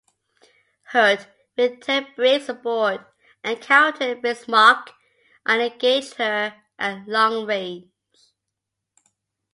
"Hood", with Ted Briggs aboard, encountered "Bismarck" and engaged her at long range.